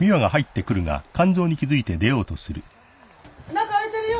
中空いてるよ。